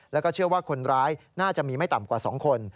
แล้วก็เชื่อว่าคนร้ายน่าจะมีไม่ต่ำกว่า๒คน